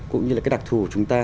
cũng như là cái đặc thù của chúng ta